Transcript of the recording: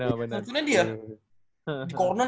yang chun nya dia di corner